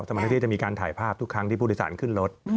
เจ้าหน้าที่จะมีการถ่ายภาพทุกครั้งที่ผู้โดยสารขึ้นรถ